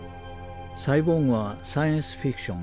サイボーグはサイエンスフィクション